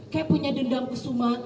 kayak punya dendam kesuma